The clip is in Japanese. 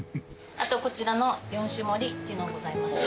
あとこちらの４種盛りっていうのもございまして。